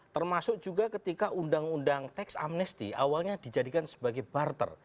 termasuk juga ketika undang undang teks amnesti awalnya dijadikan sebagai barter